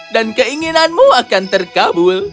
dan keinginanmu akan terkabul